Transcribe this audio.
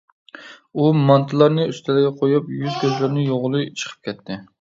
ئۇ مانتىلارنى ئۈستەلگە قويۇپ يۈز-كۆزلىرىنى يۇغىلى چىقىپ كەتتى.